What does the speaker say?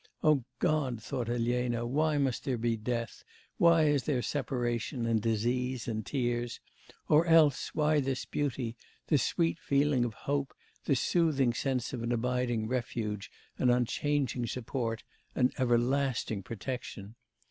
'O God,' thought Elena, 'why must there be death, why is there separation, and disease and tears? or else, why this beauty, this sweet feeling of hope, this soothing sense of an abiding refuge, an unchanging support, an everlasting protection?